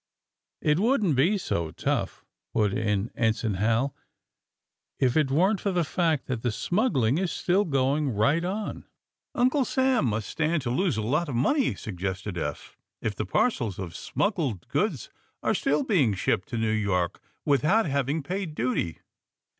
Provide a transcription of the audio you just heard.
''It wouldn't be so tough," put in Ensign Hal, '*if it weren't for the fact that the smuggling is still going right on." ''Uncle Sam must stand to lose a lot of money," suggested Eph, "if the parcels of smuggled goods are still being shipped to New York without having paid duty.